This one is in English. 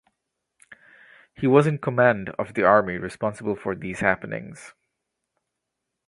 He was in command of the Army responsible for these happenings.